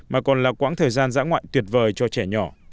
mà còn là quãng thời gian dã ngoại tuyệt vời cho trẻ nhỏ